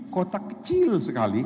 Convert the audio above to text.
kota kecil sekali